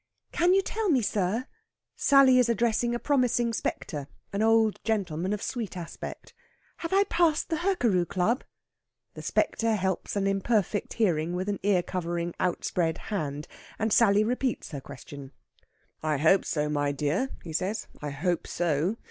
"Can you tell me, sir" Sally is addressing a promising spectre, an old gentleman of sweet aspect "have I passed the Hurkaru Club?" The spectre helps an imperfect hearing with an ear covering outspread hand, and Sally repeats her question. "I hope so, my dear," he says, "I hope so.